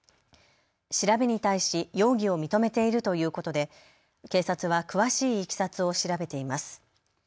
調べに対し容疑を認めているということで警察は詳しいいきさつを調べています。